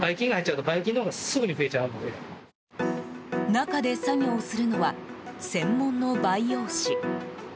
中で作業をするのは専門の培養士。